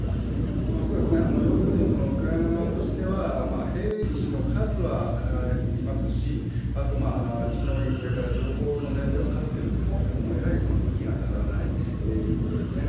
要するに、ウクライナ側としては、兵士の数はいますし、あと地の利、それから情報の面では勝ってるんですけども、やはり武器が足らないということですね。